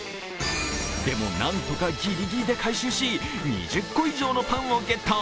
でも、なんとかぎりぎりで回収し２０個以上のパンをゲット。